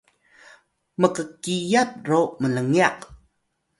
mkkiyap ro mlngyaq